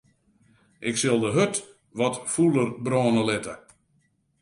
Ik sil de hurd wat fûler brâne litte.